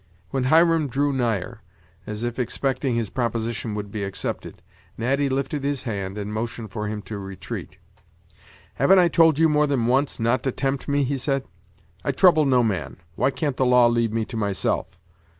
When Hiram drew nigher, as if expecting his proposition would be accepted, Natty lifted his hand, and motioned for him to retreat. "Haven't I told you more than once, not to tempt me?" he said. "I trouble no man; why can't the law leave me to myself?